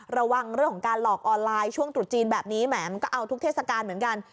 ระวังเรื่องของการหลอกออนไลน์ช่วงตรุษจีนแบบนี้แหมมันก็เอาทุกเทศกาลเหมือนกัน